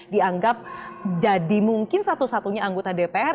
dianggap jadi mungkin satu satunya anggota dpr